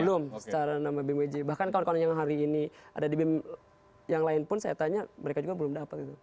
belum secara nama bemj bahkan kawan kawan yang hari ini ada di bem yang lain pun saya tanya mereka juga belum dapat itu